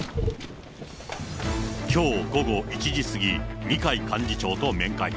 きょう午後１時過ぎ、二階幹事長と面会。